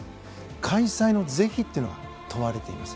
開催の是非というのが問われています。